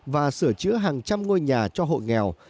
và sửa chữa hàng trăm ngôi nhà cho hộ nghèo